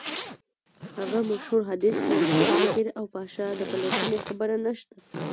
هغه مشهور حديث کې د منکر او فحشا د پلټنې خبره نشته.